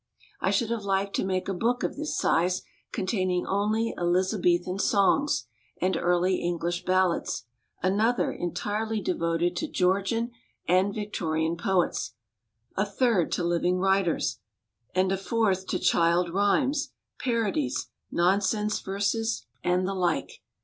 I should have liked to make a book of this size containing only Elizabethan songs and early English ballads, another entirely devoted to Georgian and Victorian poets, a third to living writers, and a fourth to child rhymes, parodies, nonsense verses and RAINBOW GOLD the like.